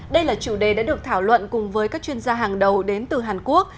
đây là chủ đề đã được thảo luận cùng với các chuyên gia hàng đầu đến từ hàn quốc